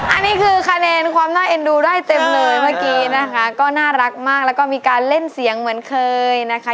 อันนี้คือคะแนนความน่าเอ็นดูได้เต็มเลยเมื่อกี้นะคะก็น่ารักมากแล้วก็มีการเล่นเสียงเหมือนเคยนะคะ